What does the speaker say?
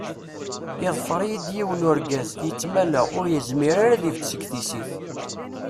Iḍfer-iyi-d yiwen urgaz, yettmala, ur yezmir ara ad ibedd seg tissit.